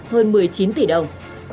hơn một mươi chín tỷ đồng